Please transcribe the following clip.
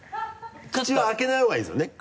口は開けない方がいいですもんね